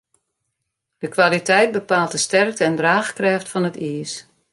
De kwaliteit bepaalt de sterkte en draachkrêft fan it iis.